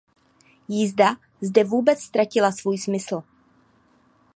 Jízda zde vůbec ztratila svůj smysl.